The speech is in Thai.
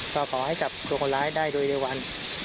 ก็ขอให้จับตัวคนร้ายได้โดยเร็ววัน